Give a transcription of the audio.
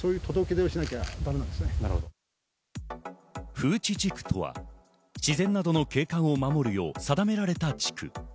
風致地区とは、自然などの景観を守るよう定められた地区。